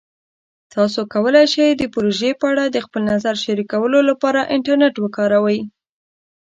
تاسو کولی شئ د پروژې په اړه د خپل نظر شریکولو لپاره انټرنیټ وکاروئ.